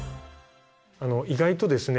意外とですね